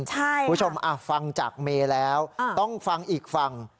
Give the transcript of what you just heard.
คุณผู้ชมฟังจากเมย์แล้วต้องฟังอีกฝั่ง